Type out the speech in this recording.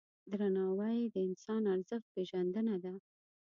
درناوی د انسان د ارزښت پیژندنه ده.